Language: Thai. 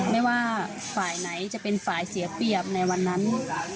ไม่ว่าฝ่ายไหนจะเป็นฝ่ายเสียเปรียบในวันนั้น